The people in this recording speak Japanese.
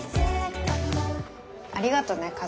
ありがとね